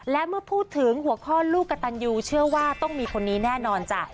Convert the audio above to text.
และเมื่อพูดถึงหัวข้อลูกกระตันยูเชื่อว่าต้องมีคนนี้แน่นอนจ้ะ